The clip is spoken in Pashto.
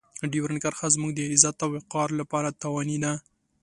ډیورنډ کرښه زموږ د عزت او وقار لپاره تاواني ده.